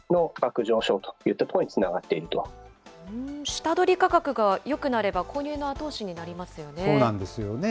下取り価格がよくなれば、購入の後押しになりますよね。